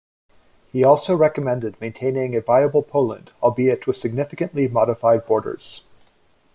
He also recommended maintaining a "viable Poland," albeit with significantly modified borders.